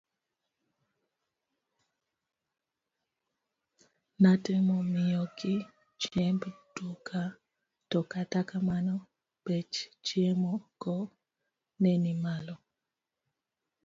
Natemo miyogi chiemb duka to kata kamano bech chiemo go ne ni malo.